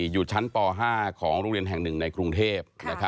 อยู่ชั้นป๕ของโรงเรียนแห่งหนึ่งในกรุงเทพ